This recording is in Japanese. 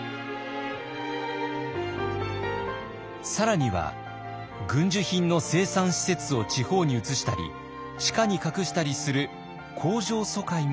更には軍需品の生産施設を地方に移したり地下に隠したりする工場疎開も行われました。